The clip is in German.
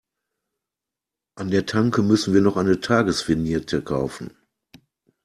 An der Tanke müssen wir noch eine Tagesvignette kaufen.